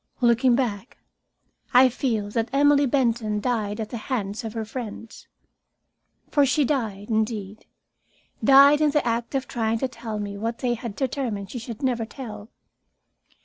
Looking back, I feel that Emily Benton died at the hands of her friends. For she died, indeed, died in the act of trying to tell me what they had determined she should never tell.